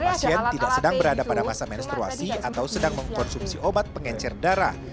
pasien tidak sedang berada pada masa menstruasi atau sedang mengkonsumsi obat pengencer darah